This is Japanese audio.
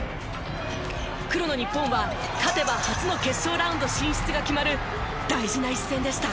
黒の日本は勝てば初の決勝ラウンド進出が決まる大事な一戦でした。